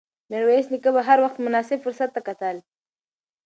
میرویس نیکه به هر وخت مناسب فرصت ته کتل.